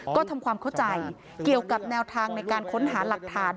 ก็ทำความเข้าใจเกี่ยวกับแนวทางในการค้นหาหลักฐาน